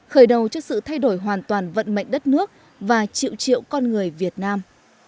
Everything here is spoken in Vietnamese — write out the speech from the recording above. khởi đầu cho sự thay đổi hoàn toàn vận mệnh đất nước và triệu triệu con người việt nam